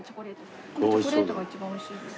このチョコレートが一番おいしいです。